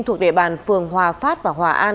thuộc địa bàn phường hòa phát và hòa an